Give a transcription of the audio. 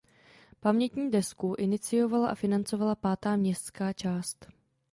Pamětní desku iniciovala a financovala pátá městská část.